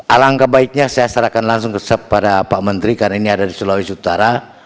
alangkah baiknya saya serahkan langsung kepada pak menteri karena ini ada di sulawesi utara